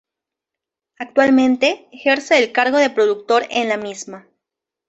Actualmente, ejerce el cargo de productor en la misma.